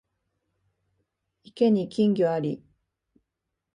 池に金魚あり